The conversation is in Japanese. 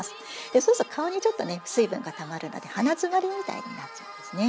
そうすると顔にちょっとね水分がたまるので鼻詰まりみたいになっちゃうんですね。